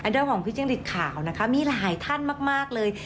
เรื่องของพี่จิ้งหลีดขาวนะคะมีหลายท่านมากเลย